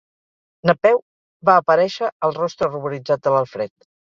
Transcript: Napeu, va aparèixer el rostre ruboritzat de l'Alfred.